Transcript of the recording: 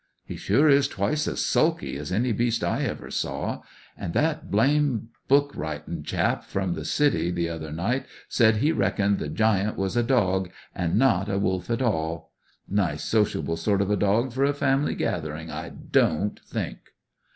"He sure is twice as sulky as any beast I ever saw. An' that blame book writin' chap from the city the other night said he reckoned the Giant was a dog, an' not a wolf at all! Nice sociable sort of a dog for a family gathering, I don't think!"